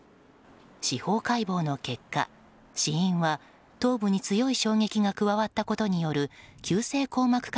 司法解剖の結果、死因は頭部に強い衝撃が加わったことによる急性硬膜